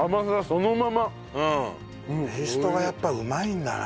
ペーストがやっぱうまいんだな。